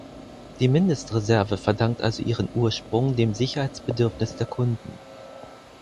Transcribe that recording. Die Mindestreserve verdankt also ihren Ursprung dem Sicherheitsbedürfnis der Kunden.